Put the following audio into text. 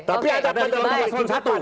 tapi ada pada kolom paslon satu